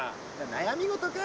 悩み事か？